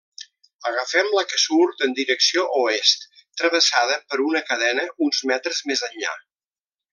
Agafem la que surt en direcció oest, travessada per una cadena uns metres més enllà.